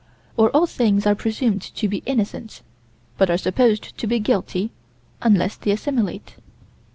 Or all things are presumed to be innocent, but are supposed to be guilty unless they assimilate.